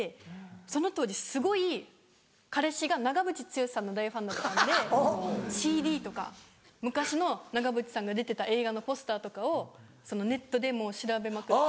その当時すごい彼氏が長渕剛さんの大ファンだったんでＣＤとか昔の長渕さんが出てた映画のポスターとかをネットでもう調べまくって。